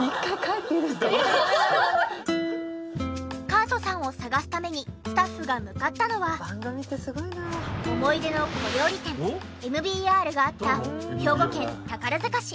カートさんを捜すためにスタッフが向かったのは思い出の小料理店ＭＢＲがあった兵庫県宝塚市。